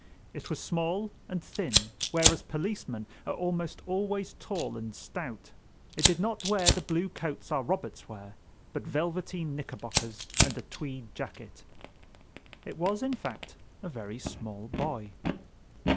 It was small and thin, whereas policemen are almost always tall and stout. It did not wear the blue coats our Roberts wear, but velveteen knickerbockers and a tweed jacket. It was, in fact, a very small boy.